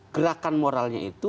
gerakan moralnya itu